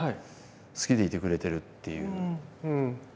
好きでいてくれてるっていう。